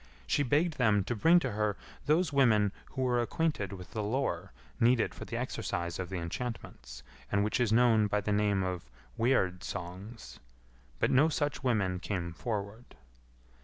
She begged them to bring to her those women who were acquainted with the lore needed for the exercise of the enchantments, and which is known by the name of Weird songs, but no such women came forward.